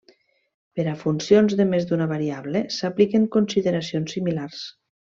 Per a funcions de més d'una variable, s'apliquen consideracions similars.